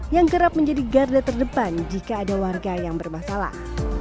yang kerap menjadi garda terdepan jika ada warga yang bermasalah